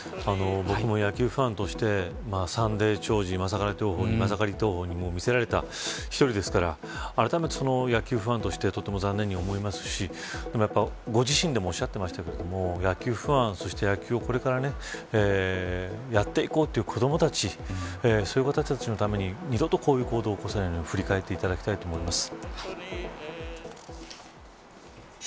僕も野球ファンとしてサンデー兆治、マサカリ投法にみせられた１人ですからあらためて、野球ファンとしてとても残念に思いますしでも、ご自身でもおっしゃていましたけれども野球ファンそして野球をこれからやっていこうという子どもたちそういう子たちのために、二度とこういう行動を起こさないように振り返っていただきたいと思います。